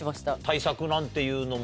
対策なんていうのも。